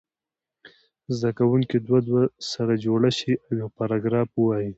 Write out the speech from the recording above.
زده کوونکي دوه دوه سره جوړ شي او یو پاراګراف ووایي.